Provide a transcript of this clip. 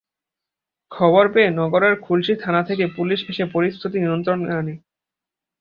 খবর পেয়ে নগরের খুলশী থানা থেকে পুলিশ এসে পরিস্থিতি নিয়ন্ত্রণে আনে।